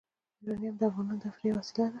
یورانیم د افغانانو د تفریح یوه وسیله ده.